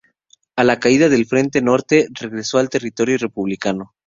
A la caída del frente Norte regresó al territorio republicano.